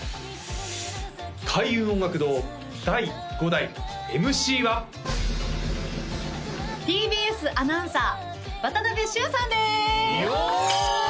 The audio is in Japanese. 開運音楽堂第５代ＭＣはＴＢＳアナウンサー渡部峻さんです！よ！